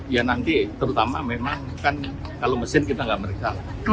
ya nanti terutama memang kalau mesin kita tidak meriksa